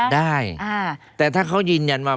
ได้แต่ถ้าเขายืนยันว่า